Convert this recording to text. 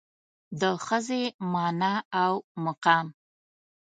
د ښځې مانا او مقام